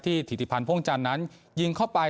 ถิติพันธ์พ่วงจันทร์นั้นยิงเข้าไป